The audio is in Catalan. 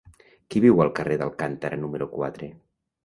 Qui viu al carrer d'Alcántara número quatre?